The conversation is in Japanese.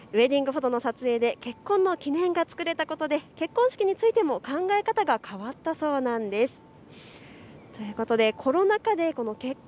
ウエディングフォトの撮影で結婚の記念が作れたことで結婚式についての考えも変わったそうです。